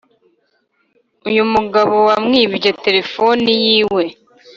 Uyumugabo bamwibye telephone yiwe